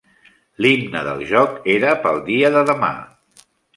L'himne del joc era "Pel dia de demà".